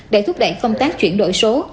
để thúc đẩy phong tác chuyển đổi số